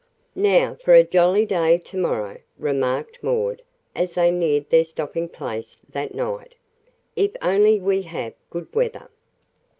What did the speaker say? "Now for a jolly day to morrow," remarked Maud as they neared their stopping place that night. "If only we have good weather."